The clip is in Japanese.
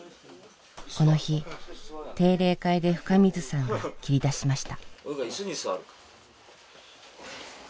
この日定例会で深水さんが切り出しました。